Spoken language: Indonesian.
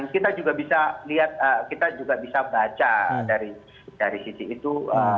kita juga bisa baca dari sisi itu